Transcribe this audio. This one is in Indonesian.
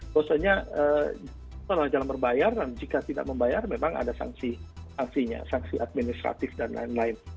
bahwasanya adalah jalan berbayar dan jika tidak membayar memang ada sanksinya sanksi administratif dan lain lain